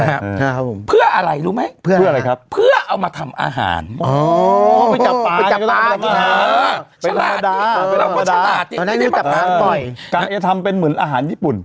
แล้วจะถามทำไมขี้โมงจะถามทำไม